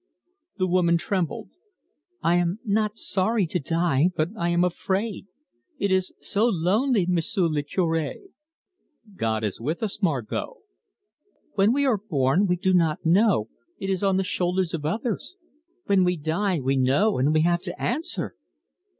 The woman trembled. "I am not sorry to die. But I am afraid; it is so lonely, M'sieu' le Cure." "God is with us, Margot." "When we are born we do not know. It is on the shoulders of others. When we die we know, and we have to answer."